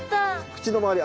口の周り